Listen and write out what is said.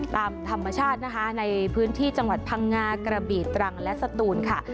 ตามธรรมชาตินะคะในพื้นที่จังหวัดพังงากระบีตรังและสตูนค่ะ